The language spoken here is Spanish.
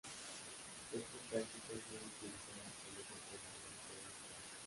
Esta táctica es muy utilizada por los entrenadores de hoy en día.